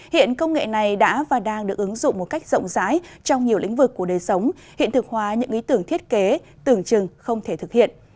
hiện công nghệ này đã và đang được ứng dụng một cách rộng rãi trong nhiều lĩnh vực của đời sống hiện thực hóa những ý tưởng thiết kế tưởng chừng không thể thực hiện